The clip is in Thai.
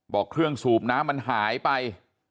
เครื่องสูบน้ำมันหายไป